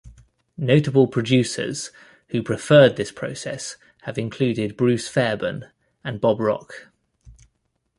Notable producers who preferred this process have included Bruce Fairbairn and Bob Rock.